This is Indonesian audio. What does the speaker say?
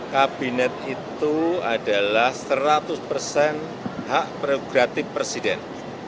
kabinet itu adalah seratus persen hak prerogatif presiden